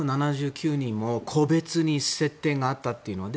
１７９人も個別に接点があったというのは。